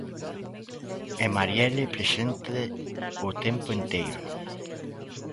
É Marielle presente o tempo enteiro.